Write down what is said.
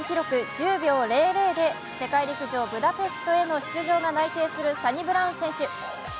１０秒００で世界陸上ブダペストへの出場が内定するサニブラウン選手。